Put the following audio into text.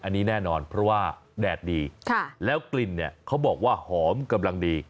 อันนี้แน่นอนเพราะว่าแดดดีแล้วกลิ่นเนี่ยเขาบอกว่าหอมกำลังดี